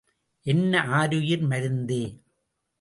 என் ஆருயிர் மருந்தே!